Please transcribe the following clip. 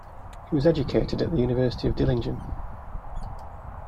He was educated at the University of Dillingen.